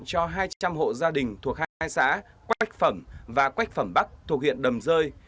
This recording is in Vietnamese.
cho hai trăm linh hộ gia đình thuộc hai xã quách phẩm và quách phẩm bắc thuộc huyện đầm rơi